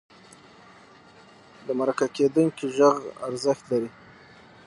د مرکه کېدونکي غږ ارزښت لري.